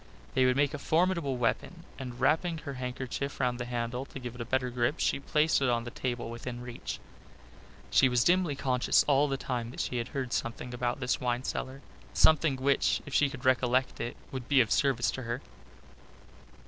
They would make a formidable weapon, and wrapping her handkerchief round the handle to give it a better grip she placed it on the table within reach. She was dimly conscious all the time that she had heard something about this wine cellar something which, if she could recollect it, would be of service to her.